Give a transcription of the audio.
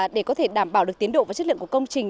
để có thể đảm bảo được tiến độ và chất lượng của công trình